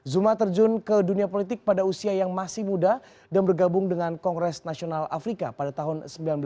zuma terjun ke dunia politik pada usia yang masih muda dan bergabung dengan kongres nasional afrika pada tahun seribu sembilan ratus sembilan puluh